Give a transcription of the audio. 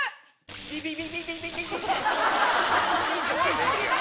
ビビビビビ。